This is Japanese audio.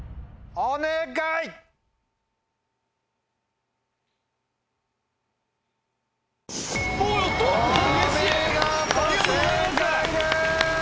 お見事正解です！